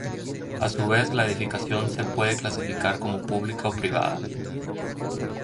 A su vez, la edificación se puede clasificar como pública o privada.